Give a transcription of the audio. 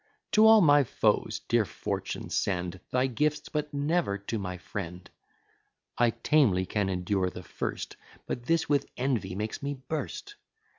To all my foes, dear Fortune, send Thy gifts; but never to my friend: I tamely can endure the first; But this with envy makes me burst.